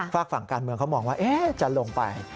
ฝากฝั่งการเมืองเขามองว่าจะลงไป